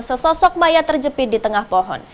sesosok maya terjepit di tengah pohon